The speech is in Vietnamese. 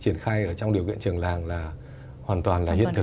triển khai ở trong điều kiện trường làng là hoàn toàn là hiện thực